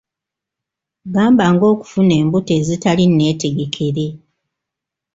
Gamba ng'okufuna embuto ezitali nneetegekere.